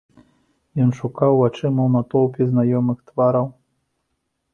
Ён шукаў вачыма ў натоўпе знаёмых твараў.